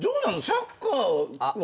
サッカーは？